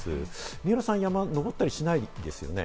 水卜さん、山登ったりしないですよね？